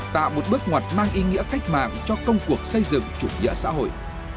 tạo một bước ngoặt mang ý nghĩa cách mạng cho công cuộc xây dựng chủ nghĩa xã hội